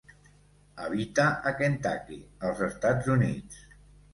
Habita a Kentucky, als Estats Units.